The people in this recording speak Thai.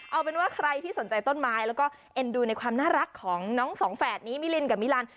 เอาเป็นว่าใครที่สนใจต้นไม้แล้วก็เอ็นดูในความน่ารักของน้องสองแฝดนี้มิลินกับมิลัน